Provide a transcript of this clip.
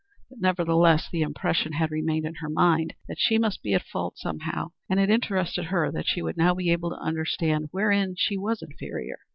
But, nevertheless, the impression had remained in her mind that she must be at fault somehow, and it interested her that she would now be able to understand wherein she was inferior.